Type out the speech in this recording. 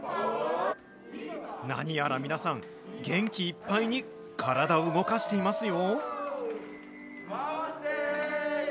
何やら皆さん、元気いっぱいに体を動かしていますよ。